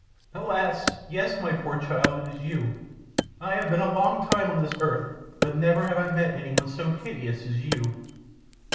"Alas! yes, my poor child, it is you. I have been a long time on this earth, but never have I met anyone so hideous as you!"